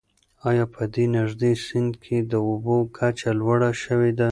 آیا په دې نږدې سیند کې د اوبو کچه لوړه شوې ده؟